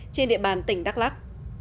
trên địa bàn tỉnh đắk lắc